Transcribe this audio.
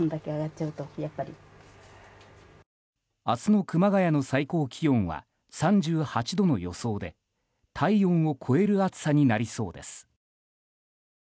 明日の熊谷の最高気温は３８度の予想で体温を超える暑さになりそうです。